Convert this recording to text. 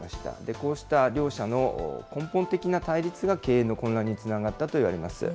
こうした両者の根本的な対立が、経営の混乱につながったといわれます。